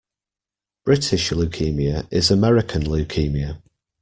British leukaemia is American leukemia.